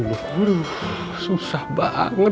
aduh susah banget